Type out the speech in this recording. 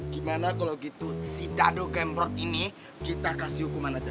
gimana kalau gitu si dado camprot ini kita kasih hukuman aja